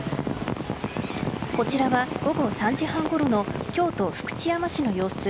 こちらは午後３時半ごろの京都・福知山市の様子。